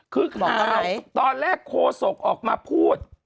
คือข่าวตอนแรกโฆษกรัฐบาลออกมาพูด